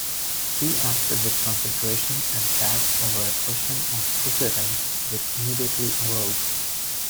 He acted with consideration and tact over a question of precedence which immediately arose.